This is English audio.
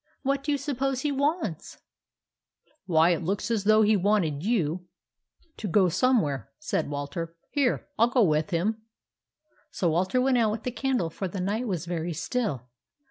What do you suppose he wants ?" 14 Why, it looks as though he wanted you THE ROBBERS 53 to go somewhere," said Walter. " Here, I '11 go with him." So Walter went out with the candle, for the night was very still.